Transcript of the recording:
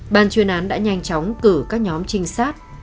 ban chuyên án đã nhanh chóng cử các nhóm trinh sát